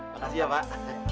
makasih ya pak